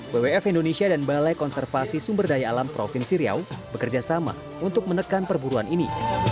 bwf indonesia dan balai konservasi sumber daya alam provinsi riau bekerjasama untuk menekan perburuan ini